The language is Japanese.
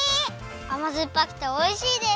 あまずっぱくておいしいです！